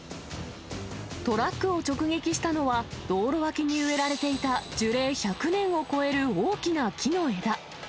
トラックを直撃したのは、道路脇に植えられていた樹齢１００年を超える大きな木の枝。